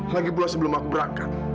lagipula sebelum aku berangkat